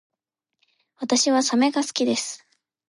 私はサメが好きです